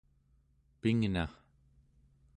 pingna